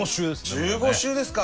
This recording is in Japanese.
１５週ですか。